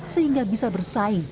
sehingga bisa bersaing